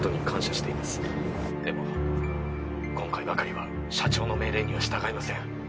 「でも今回ばかりは社長の命令には従いません」